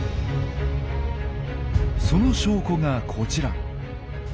その証拠がこちら。